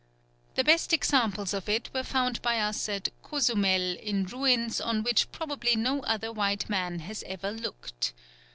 The best examples of it were found by us at Cozumel in ruins on which probably no other white man has ever looked.